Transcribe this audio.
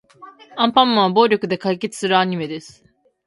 アンパンマンは暴力で解決するアニメです。